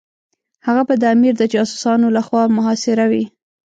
هغه به د امیر د جاسوسانو لخوا محاصره وي.